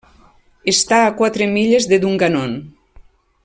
Està a quatre milles de Dungannon.